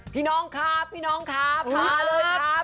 พี่น้องครับมาเลยครับ